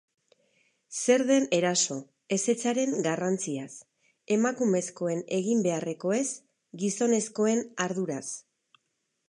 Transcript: Zer den eraso, ezetzaren garrantziaz, emakumezkoen egin beharrekoez, gizonezkoen arduraz...